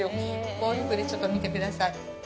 こういうふうにちょっと見てください。